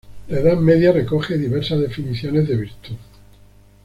La Edad media recoge diversas definiciones de virtud.